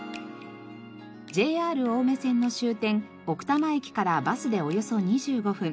ＪＲ青梅線の終点奥多摩駅からバスでおよそ２５分。